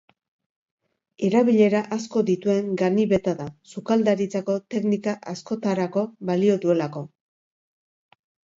Erabilera asko dituen ganibeta da, sukaldaritzako teknika askotarako balio duelako.